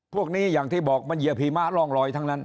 พวกนี้อย่างที่บอกมันเหยียหิมะร่องลอยทั้งนั้น